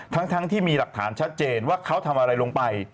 ทั้งที่มีหลักฐานชัดเจนว่าเขาทำอะไรลงไป